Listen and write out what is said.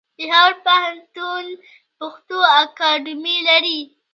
پېښور پوهنتون پښتو اکاډمي لري.